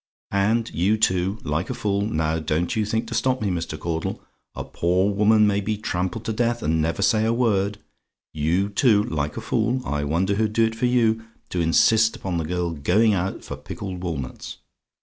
And you, too, like a fool now, don't you think to stop me, Mr. Caudle; a poor woman may be trampled to death, and never say a word you, too, like a fool I wonder who'd do it for you to insist upon the girl going out for pickled walnuts.